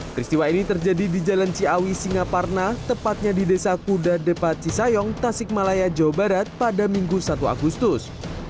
peristiwa ini terjadi di jalan ciawi singaparna tepatnya di desa kuda depat cisayong tasik malaya jawa barat pada minggu satu agustus